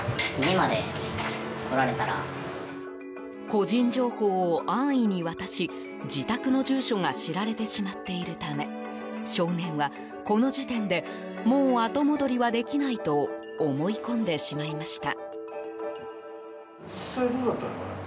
個人情報を安易に渡し自宅の住所が知られてしまっているため少年は、この時点でもう後戻りはできないと思い込んでしまいました。